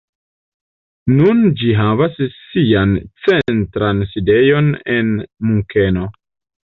Nun ĝi havas sian centran sidejon en Munkeno.